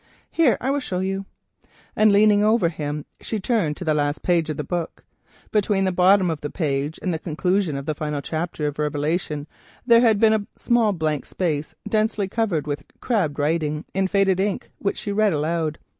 Here, I will show you," and leaning over him she turned to the last page of the book. Between the bottom of the page and the conclusion of the final chapter of Revelations there had been a small blank space now densely covered with crabbed writing in faded ink, which she read aloud.